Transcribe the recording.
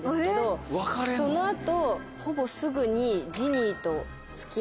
その後ほぼすぐにジニーと。